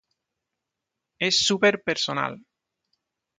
Es súper personal".